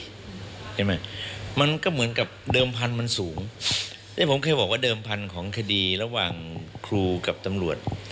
ใช่ไหมมันก็เหมือนกับเดิมพันธุ์มันสูงนี่ผมเคยบอกว่าเดิมพันธุ์ของคดีระหว่างครูกับตำรวจ